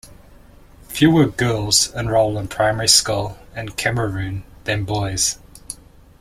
Fewer girls enroll in primary school in Cameroon than boys.